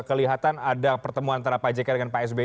kelihatan ada pertemuan antara pak jk dengan pak sby